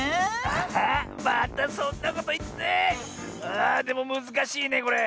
ああでもむずかしいねこれ。